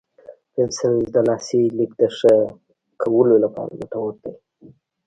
پنسل د لاسي لیک د ښه کولو لپاره ګټور دی.